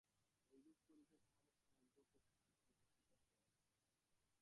ঐরূপ করিতে তাঁহাদের সমগ্র প্রকৃতি সঙ্কুচিত হয়।